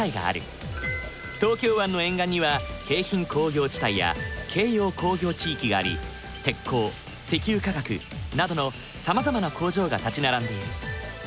東京湾の沿岸には京浜工業地帯や京葉工業地域があり鉄鋼石油化学などのさまざまな工場が立ち並んでいる。